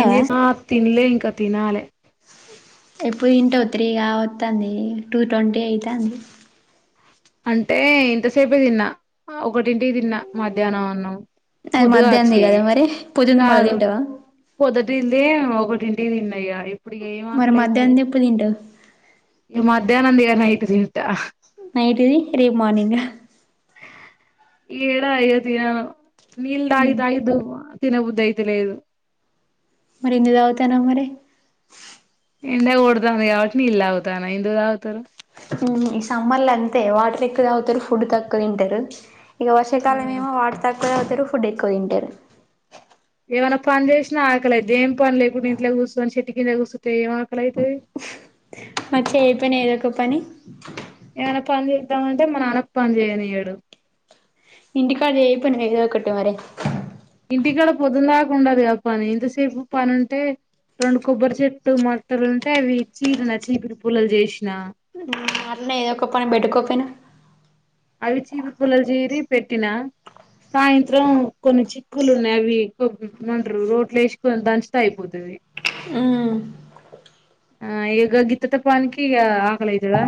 ఏం చేస తిన్లే ఇంకా కతినాలె ఎప్పుడు ఇంట త్రీగా వతుంది టూ ట్వంటీ అవుతుంది అంటే ఇంతసేపే తిన్నా ఒకటింటికి తిన్నా మధ్యాహ్నం అన్నం అది పొద్దుగా మధ్యాహ్నది వచ్చి కదా మరి పొద్దుంది మళ్ళ కాదు తింటావా పొద్దుటిద ఒకటి దన్నయారు మరి మధ్యాహం ఎప్పుడింటవ్ ఇ మధ్యాహ్నం దే నైట్ తింటా నైట్ది రేపు మార్నింగ్ ఏడా అయోధ్య నీళ్ళు తాగి తాగి [unintelligible] తినబుద్దయితలేదు మరి ఎన్నితాగుతన్నావ్ మరి ఎండలు కొడుతున్నాయి కావట్టి ఇలా తాగుతూన ఎందుకు తాగుతారు ఈ సమ్మర్ లో అంతే వాటర్ ఎక్కువ తాగుతారు ఫుడ్ తక్కువ తింటారు ఇక ఆ వర్షాకాలాం ఏమో వార్తా తరు ఫుడెక్కు తింటరు ఏమనా పని చేసినా ఆకలైతే ఏం పని లేకుప్పుడు ఇంట్లో కూర్చని చెట్టు కింద కూర్స్తే ఏ ఆకలైతయి మరి చెయపోయినవ్ ఏదో ఒక పని నాన్న పని చేద్దామంటే మా నాన్న పని చేయనియ్యడు ఇంటికాడ ఏ పని జేయవ్ కదా ర ఇంటికాడ పొద్దునలాకుండదు ఆ పని ఇంతసేపు పని ఉంటే రెండు కొబ్బరి చెట్టు మొట్టలుంటే అవి చీరిన చీపరి పూలలు చేసిన మాట్లో ఏదో ఒక పని పెట్టుకోపోయినా అవి చీపిరి పుల్లలు చీరి పెట్టిన సాయంత్రం కొన్ని చిక్కులు ఉన్నాయి అవి కొ మంట రోట్లు వేసి దంచుతా అయిపోతావి హ్మ్ ఆ ఇగ గిత్త తప్ప ఆనికి ఆకలైతదా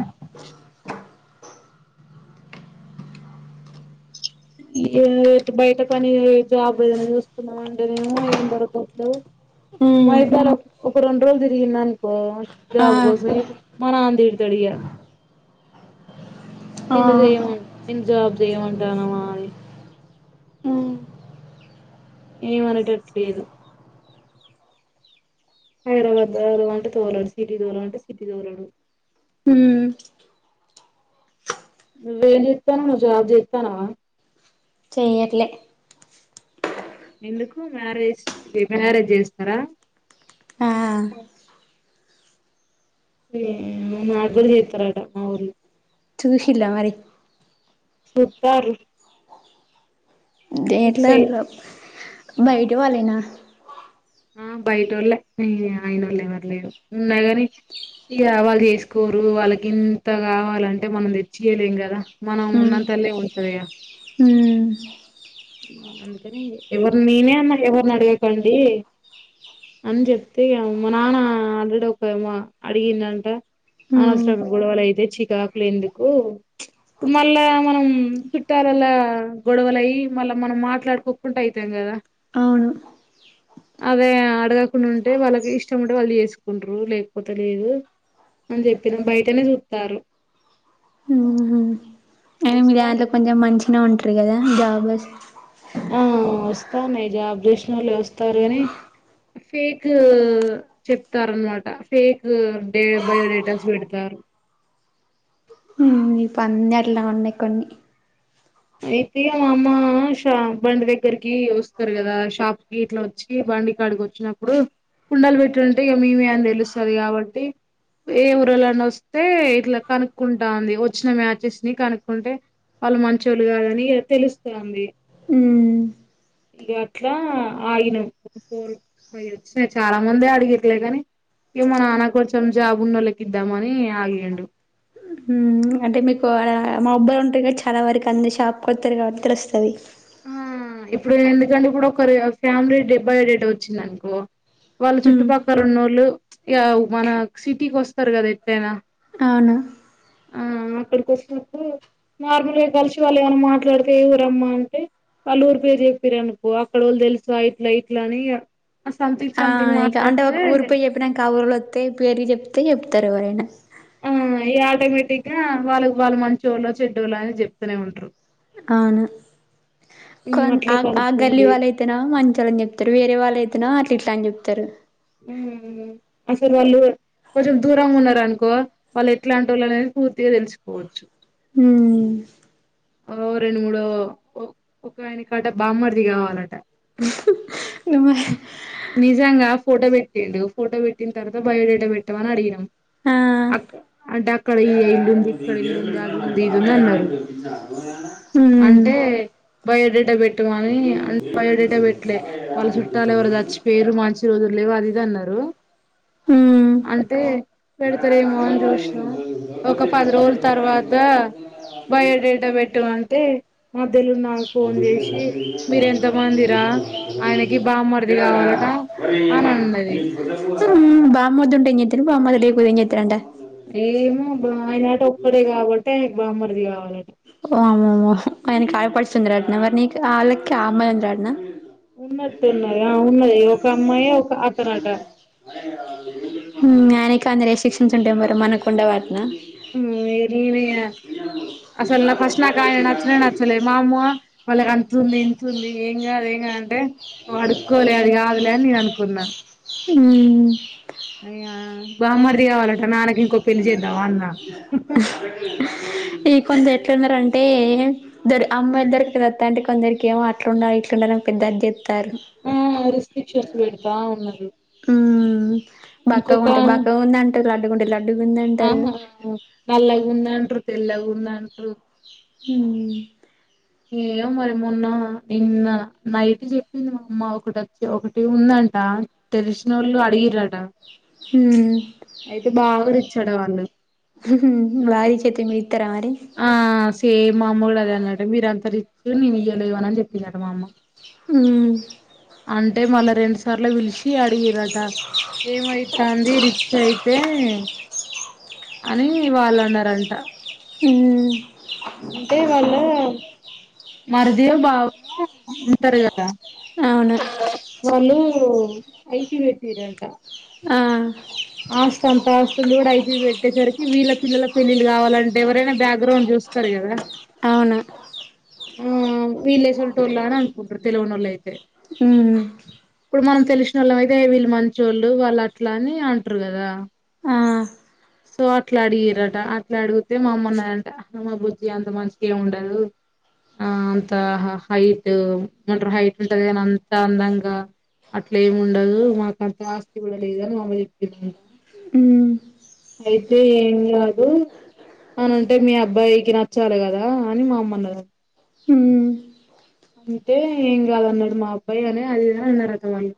బయట పని జాబ్ ఏదైనా చూసుకుందామంటేనేమో ఏం దొరకట్లే ఉమ్ మైద్యన ఒక రెండు రోజులు తిరిగింది అనుకో ఆ జాబ్ కోసం మా నాన్న తిడతాడు ఇయాల ఆ నిన్ను చేయమని నిన్ను జాబ్ చేయమంటానమా మ ఉమ్ ఏమనేటట్లేదు హైదరాబాద్ దూరం అంటే తోరాడు సిటీ దూరం అంటే సిటీ దోరాడు హ్మ్ వేళ్ళు ఇతను నువ్వు జాబ్ చేస్తున్నావ చేయర్లే ఎందుకు మ్యారేజ్ [inaudible] చేస్తారా ఆ మ్మ్ నాక్ కూడా చేస్తారు అంట మా ఊరులో చుషిల్లా మరి చుత్తరు ే ఎట్లాం బయటి వాళ్ళనా ఆ బయట వాళ్ళ ఆయన వాళ్ళవరు లేరు ఉన్నా కాని ఇవాళు చేసుకోరు వాళ్ళకి ఇంత కావాలంటే మనం తెచ్చియలేం కదా మనం ఉమ్ ఉన్నంతల్లే ఉంటంది ఇగ ఉమ్ అందుకని ఎవరి నేనే అన్నా ఎవరిని అడిగకండి అని చెప్తే మా నాన్న ఆల్రెడీ ఒక అడిగిందంట ఉమ్ అనవసరం గొడవలు అయితే చికాకులేందుకు ఇ మళ్ళా మనం చుట్టాలలా గొడవలు అయ్యి మళ్ళా మనం మాట్లాడుకోకుంంటడా అయితది కదా అవును అదే అడగకుండా ఉంటే వాళ్ళకి ఇష్టం ఉంటే వాళ్ళు చేసుకుంటరు లేకపోతే లేదు అని చెప్పిన బయటనే చూస్తారు కానీ మీరు వస్తాను దాంట్లో కొంచెం మంచిగా ఉంటారు కదా జాబస్ మ్మ్ మైజాబ్ చేషన్ వాళ్ళు వస్తారు అని ఫేక్ చెప్తారు అనమాట ఫేక్ డే బయోడేటాస్ పెడతారు ప అన్నడలా ఉన్న కొన్ని అయితే మా అమ్మ షా బండి దగ్గరికి వస్తారు కదా షాప్ కి ఇట్లా వచ్చి బండి కాడికి వచ్చినప్పుడు కుండలు పెట్టింటే ఇక మేమే అని తెలుస్తుంది కాబట్టి ఏ ఊరాలన్న వస్తే ఇట్లా కనుక్కుంటుంది వచ్చిన మ్యాచెస్ ని కనుక్కుంటే వాళ్ళు మంచి మంచోలు కాదని తెలుస్తుంది ఉమ్ ఇక అట్లా ఆగిన ఫోర్ అ వచ్చిన చాలా మంది అడిగట్లే కాని ఇక మా నాన్న కొంచెం జాబు ఉన్న వాళ్ళకి ఇద్దామని ఆగిండు మ్మ్ అంటే మీకు మా బబ్బయి ఉంటయి కదా చాలా వరకు అంద షాప్కి వస్తారు కాబట్టి తెలుస్తుంది మ్మ్ ఇప్పుడు ఎందుకంటే ఇప్పుడు ఒకరు ఫ్యామిలీడ బై డేట్ వచ్చింది అనుకో వాళ్ళ ఉమ్ చుట్టుపక్క ఉన్నోళ్లు మన సిటీకి వస్తారు కదా ఇట్లయినా అవునా నార్మల్గా కలిసి వాళ్ళు ఏమైనా మాట్లాడితే ఊరమ్మా అంటే వాళ్ళ ఊరు పేరు చెప్పారు అనుకో అక్కడ వాళ్ళు తెలుసా ఇట్లా ఇట్లా అని సంథింగ్ ఆ సంథింగ్ ఇక అంటే మాట్లాడితే ఒక ఊరి పోయి చెప్పినాక ఆ ఊరోళ్ళు వస్తే పేర్లు చెప్తే పేరి చెప్తేప్పు తారు ఎవరైనా ఆ ఈ ఆటోమేటిక్గా వాళ్ళ వాళ్ళ మనచోళ్లో చెడ్ళ్లో అని చెప్తూనే ఉంటారు అవును కొ ఉమ్ ఆ అట్లే ఆ గల్లీ కలుస్తుంది వాళ్ళు అయితేనా మంచిళ్ళని చెప్తారు వేరే వాళ్ళు అయితేనా అట్లా ఇట్లా అని చెప్తారు ఇతరు ఉ అసలు వాళ్ళు కొంచెం దూరంగా ఉన్నారు అనుకో వాళ్ళు ఎట్లాంటి వాళ్ళు అనేది పూర్తిగా తెలుసుకోవచ్చు మ్మ్ ఓ రెండు మూడు ఒక ఆయన కాట బామ్మర్ది కావాలట నువ్వే నిజంగా ఫోటో పెట్టిండు ఫోటో పెట్టి తర్వాత బయోడేటా పెట్టామని అడిగిగ్నం ఆ అ అంటే అక్కడ ఇల్లుంది ఇక్కడ ఇల్లుంది అది ఉంది ఇదింది అన్నారు హ్మ్ అంటే బయోడేటా పెట్ తమని అంటే బయోడేటా పెట్టలే వాళ్ళ చుట్టాల ఎవరు చచ్చి పేరు మ చుట్టాలు వాళ ఇది అన్నారు హ్మ్ అంటే పెడతారేమో అని చూసినాం ఒక పది రోజుల తర్వాత బయోడేటా పెట్టామంటే మ [unintelligible] నాకు ఫోన్ చేసి మీర ఎంత మందిరా ఆయనకి బామరది కావాలట అని అన్నది బామర్ది ఉంటే ఏం చేస్తారు బామ్మర్ది లేకపోతే ఏం చేస్తారంట ఏమో బా ఆయనట ఒక్కడే కాబట్టే బామ్మర్ది కావాలంట ఓమ ఆయనకి ఆడపడుచు [unintelligible] ఉన్నట్టున్నది ఆ ఉన్నది ఒక అమ్మాయి ఒక అతనట కానీ రిస్ట్రిక్షన్స్ ఉంటాయి మరీ మనకు ఉండవంటన [unintelligible] అసలు నాకు ఫస్ట్ నాకు ఆయన నచ్చనే నచ్చలే మా అమ్మో వాళ్ళకి అంతుంది ఇతుంది ఏం కాదు ఏం కాదు అంటే అడుక్కోలే అది కాదులే నేను అనుకున్నా ఉమ్ ఇగ బామ్మర్ది కావాలంట నాన్నకి ఇంకో పెళ్లి చేద్దామా అన్నా ఈ కొంత ఎట్లంద రండి అంటే అంటే దరి అమ్మాయిద్దరి క దత్త అంటే కొందరికి ఏమో అట్లా ఉండాలి ఇట్లు ఉండాల పెద్దద్ద ఆ రిస్ట్రిక్షన్స్ పెడతా ఉన్నాలు ఆ బక్కగా ఉంటే బక్క ఉంది అంట [unintelligible] ఆ నల్గ ఉందంట్రూ తెల్లగా ఉందంట్రూ [inaudible] హ ఏమో మరి మొన్న నిన్న నైట్ చెప్పింది మా అమ్మ ఒకటి వచ్చి ఒకటి ఉందంట తెలిసినోళ్ళు అడిగిరట హ చెడవన్న వారిచేతే ఇత్తారనీ ఏ మామ్మ కూడా అదే అన్నదట మీర అందరు సూ నేను ఇయలో ఇవ్వ అని చెప్పిందట మా అమ్మ ఉమ్ అంటే మళ్ళా రెండు సార్లు పిలిచి ఇ అడిగిరా ఏమైత అంది రిచ్ అయితే అని వాళ్ళు అన్నారంట అ అంటే వాళ్ళు మరిదియో బావో ఉంటారు కదా అవును వెళ్ళు ఓ ఐటీ పెటిరంటా ఆ ఆస్తి అంత వీలు కూడా అయితే పెట్టేసరికి వీళ్ళ పిల్లల పపెళ్ళిళ్ళు కావాలంటే ఎవరైనా బ్యాక్గ్రౌండ్ చూస్తారు కదా అవునా ఆ వీళ్ళే యేసింటో వాళ్ళ అని అనుకుంట్రారు తెలివని వాళ్ళ అయితే ఉమ్ ఇప్పుడు మనం తెలిసిన వాళ్ళం అయితే వీళ్ళు మంచోళ్ళు వాళ్ళు అట్ల అని అంట్రూ కదా ఆ సో అట్లా అడిగిరట అట్లా అడిగితే మా అమ్మన్నంటే అమ్మ బుజ్జి అంత మంచికి ఏమి ఉండదు ఆ అంత హైట్ మంట హైట్ ఉంటదిద అంత అందంగా అట్ల ఏమి ఉండదు మాకంత ఆస్తి కూడా లేదని మాంద ఉమ్ అయితే ఏం కాదు అని అంటే మీ అబ్బాయికి నచ్చాలి కదా అని మా అమ్మ అన్నరు ఉమ్ అంటే ఏం కాదున్నడు మా అబ్బాయి అని అది ఇది అన్నరట వాళ్ళు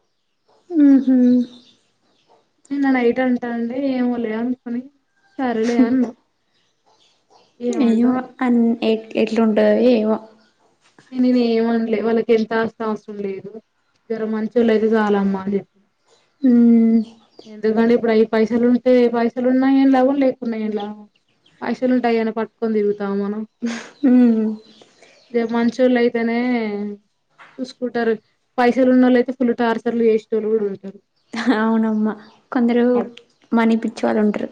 ఉహు నిన్న నైట్ అంటాంది ఏమో లే అనుకుని సరలే అన్న ఏమొ అన్ ఎ ఎట్లుంటవి ఏమో ఇగ నేను ఏమం వాళ్ళకి ఎంత అస్త అవసరం లేదు జర మంచోళ్ళు అయితే చాలమ్మా అని చె ఉమ్ ఎందుకండి ఇప్పుడయి పైసలు ఉంటే పైసలు ఉన్నా ఏం లాభం లేకున్నా ఏం లాభం పైసలుంటె ఆయేమన పట్టుకొని తిరుగుతాం మనం ఉమ్ మంచి టోల్లు అయితేనే సుసుకుంటారు పైసలున్నళ్ళ అయితే ఫుల్ టార్ చర్లు చేసేటోళ్లు గుడా ఉంటారు అవునమ్మ కొందరు మని పిచ్చోళ్ళు ఉంటరు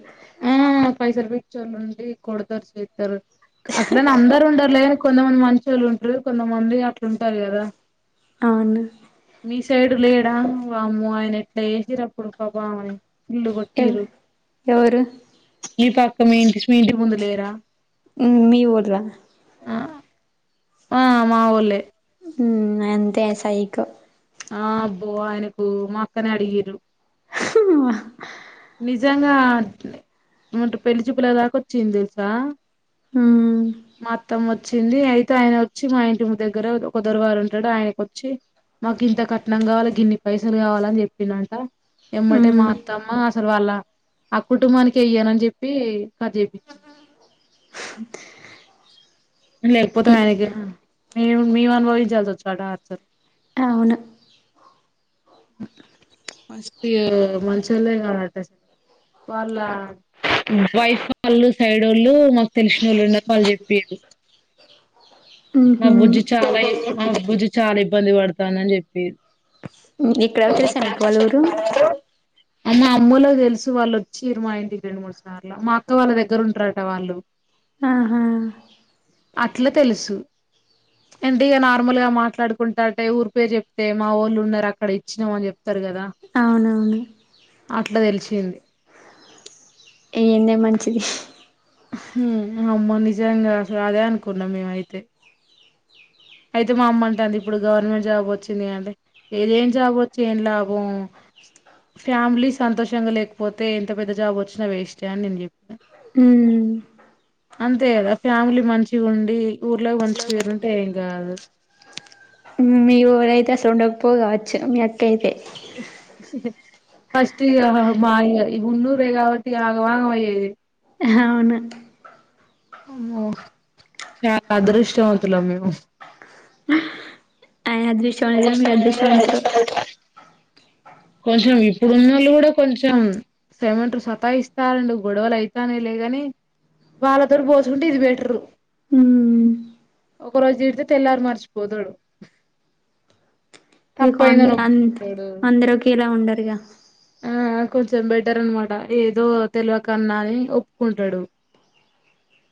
చ్చోళ్ళుండి కొడతారు చెత్తరు అట్లన అందరుండరు లేదు కొంతమంది మంచొళ్ళుం రు కొంతమంది అట్లుంటారు గదా అవును ఈ సైడు లేడా వామ్మో ఆయన ఎట్లా చేసిరప్పుడు పాపం ఆమని ఫుల్లు ఎవ్ కొట్టిరు ఎవరు మీ పక్క మీ ఇంటి మీ ఇంటి ముందు లేరా ఇ మీ వోల్ల ఆ ఆ మావోళ్ళే ఉ అంతే సైకో ఆ అబ్బో ఆయనకు మాక్కనే అడిగిరు మ్, నిజంగా ఏమంటరు పెళ్లి చూపుల దాకా వచ్చింది తెలుసా మా అత్తమ్మ వచ్చింది అయితే ఆయన వచ్చి మా ఇంటి దగ్గర ఒక దొరవారు ఉంటాడు ఆయనకొచ్చి మాకు ఇంత కట్నం కావాలి గిన్ని పైసలు కావాలని చెప్పిండంట ఎమ్మటే మా మ్, అత్తమ్మ అసలు వాళ్ళ ఆ కుటుంబానికి ఇయ్యనని చెప్పి కడిచెప్పించింది లేకపోతే ఇ- ఆయనకి మేము మేము అనుభవించాల్సి వచ్చు అ టార్చర్ అవును ఫస్ట్ మంచోళ్ళే గాదట వాళ్ళ వైఫ్ వాళ్ళు సైడ్ ఓళ్ళు మాకు తెలిసినోళ్ళున్నారు వాళ్ళు చెప్పిరు న మ్హూ. బుజ్జి చాల తె- ఎక్కువ నవ్వుతది బుజ్జి చాలా ఇబ్బంది బడతందని చెప్పిరు ఇక్కడ తెలుసా నీకు వాళ్ళురు అమ్మ అమ్మోళ్ళకు దేలుసు వాళ్ళొచ్చిరు మా ఇంటికి రెండు మూడు సార్ల మా అక్క వాళ్ళ ఇంటిదగ్గర ఉంటారట వాళ్ళు ఆహా అట్ల తెలుసు ఏంటి ఇగ నార్మల్గా మాట్లాడుకుంటాంటె ఊరి పేరు చెప్తే మా వాళ్ళు ఉన్న రక అక్కడ ఇచ్చినం అని చెప్తారు కదా అవునవును అట్ల తెలిసింది న్నే మంచిది అమ్మ నిజంగా అసలదే అనుకున్నాం మేమ అయితే అయితే మా అమ్మ అంట అంది ఇప్పుడు గవర్నమెంట్ జాబ్ వచ్చిందిగా అంటే ఏం జాబ్ వచ్చి ఏం లాభం ఫ్యామిలీ సంతోషంగా లేకపోతే ఎంత పెద్ద జాబ్ వచ్చిన వేస్టే అని నేను జెప్పిన ఉ అంతే కదా ఫ్యామిలీ మంచిగా ఉండి ఊర్లోకి మంచి పేరుంటే ఏం గాదు పోరైతే అసలు ఉండకపోవు కావచ్చు మీ అక్క అయితే ఫస్ట్ ఇగ మాయ ఇగ ఉన్నూ రే కావట్టి ఇగ ఆగమాగం అయ్యేది. అవును అమో చానా అదృష్టవంతులం మేము [inaudible] నిశాంగ మీరు అదృక్ష వంతులు కొంచెం ఇప్పుడున్నోళ్ళు గుడా కొంచెం సెమెంటర్ సతా ఇస్తారండి గొడవలు అయితానే లేగాని వాళ్ళతోటి పోలుసుకుంటే ఇది బెటరు మ్. ఒక రోజు తిడితే తెల్లారి మర్చిపోతాడు ఇంకన్ తన్ అందరకిలా ఉండదు ఇగ ఆ కొంచెం బెటర్ అనమాట ఏదో తెలవకన్నా అని ఒప్పుకుంటాడు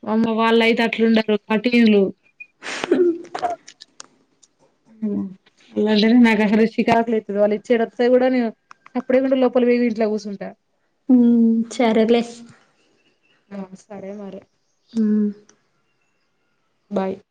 వామ్మ వాళ్ళు అయితే అట్లుండరు కటీన్లు అలాంటేనే నాకు అసలుషికాకులు అవుతుంది వాళ్ళు ఇచ్చేడు వస్త కూడా నేను సప్పడేకుం లోపల వేగి ఇంట్లో కూర్చుంటా చెరలే ఆ సరే మరి ఉమ్ బాయ్